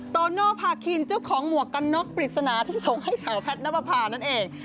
โตโนภาคินเจ้าของหมวกกันน็อกปริศนาที่ส่งให้สาวแพทย์นับประพานั่นเอง